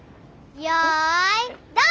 よいドン！